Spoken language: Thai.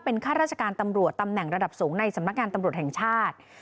ข้าราชการตำรวจตำแหน่งระดับสูงในสำนักงานตำรวจแห่งชาติ